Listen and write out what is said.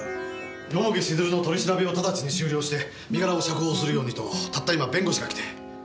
蓬城静流の取り調べを直ちに終了して身柄を釈放するようにとたった今弁護士が来て。